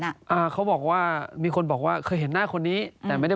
อ่าเขาบอกว่ามีคนบอกว่าเคยเห็นหน้าคนนี้แต่ไม่ได้